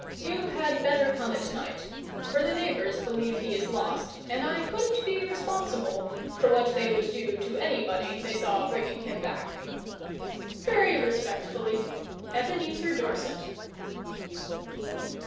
You had better come at night, for the neighbours believe he is lost, and I couldn't be responsible for what they would do to anybody they saw bringing him back. Very respectfully, EBENEZER DORSET.